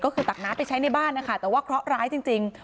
ก็คือตักน้ำไปใช้ในบ้านนะคะแต่ว่าเคราะห์ร้ายจริง